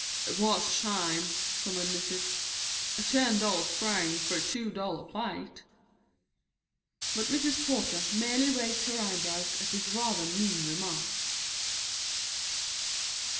"It was a shame," Tom admitted, "a ten dollar strain for a two dollar plate." But Mrs. Porter merely raised her eyebrows at this rather mean remark.